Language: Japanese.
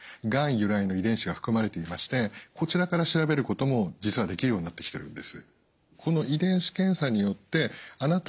由来の遺伝子が含まれていましてこちらから調べることも実はできるようになってきてるんです。